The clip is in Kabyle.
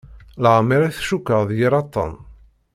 Leɛmer i t-cukkeɣ d yir aṭṭan.